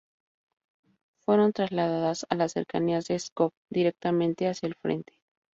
Fueron trasladados a las cercanías de Pskov, directamente hacia el frente.